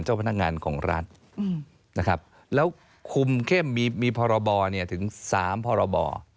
เจ้าพนักงานของรัฐนะครับแล้วคุมเข้มมีพรบถึง๓พรบ